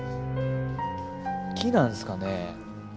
木なんですかね？